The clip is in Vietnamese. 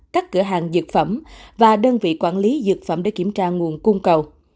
các cửa hàng dược phẩm và đơn vị quản lý dược phẩm để kiểm tra nguồn cung cầu